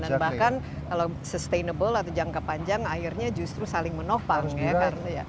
dan bahkan kalau sustainable atau jangka panjang akhirnya justru saling menopang ya